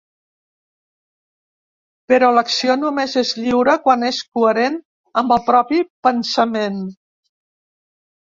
Però l’acció només és lliure quan és coherent amb el propi pensament.